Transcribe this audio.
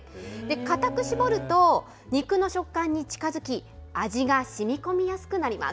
固く絞ると、肉の食感に近づき、味がしみこみやすくなります。